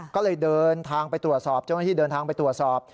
ก็เลยเดินทางไปตรวจสอบเจ้าหน้าที่เดินทางไปตรวจสอบ